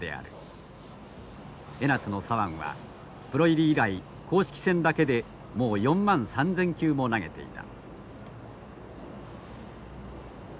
江夏の左腕はプロ入り以来公式戦だけでもう４万３，０００球も投げていた。